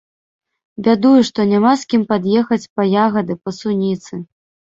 Бядую, што няма з кім пад'ехаць па ягады, па суніцы.